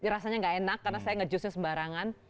rasanya nggak enak karena saya nge jusnya sembarangan